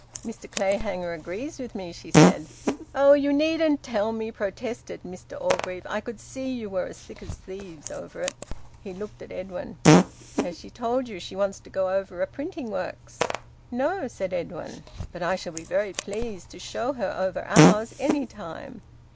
"Mr Clayhanger agrees with me," she said. "Oh! You needn't tell me!" protested Mr Orgreave. "I could see you were as thick as thieves over it." He looked at Edwin. "Has she told you she wants to go over a printing works?" "No," said Edwin. "But I shall be very pleased to show her over ours, any time."